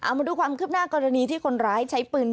มาดูความคืบหน้ากรณีที่คนร้ายใช้ปืน